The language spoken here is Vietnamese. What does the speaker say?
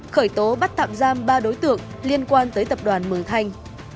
khởi tố bắt tạm giam ba đối tượng liên quan tới tập đoàn mường thanh